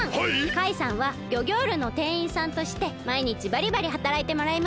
カイさんはギョギョールのてんいんさんとしてまいにちバリバリはたらいてもらいます！